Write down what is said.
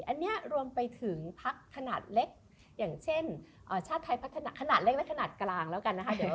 อันนี้รวมไปถึงพักขนาดเล็กอย่างเช่นชาติไทยพัฒนาขนาดเล็กและขนาดกลางแล้วกันนะคะ